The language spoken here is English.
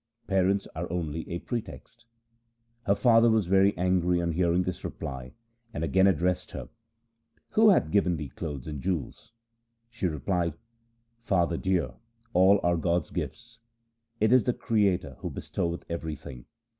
Parents are only a pretext.' Her father was very angry on hearing this reply, and again addressed her :' Who hath given thee clothes and jewels ?' She replied :' Father dear, all are God's gifts. It is the Creator who bestoweth everything.